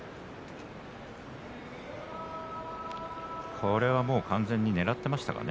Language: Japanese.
これは、もう完全にねらっていましたかね。